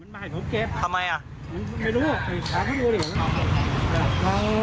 ไม่รู้ถามเขาดูกันดีกว่านั้น